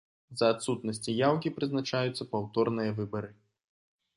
З-за адсутнасці яўкі прызначаюцца паўторныя выбары.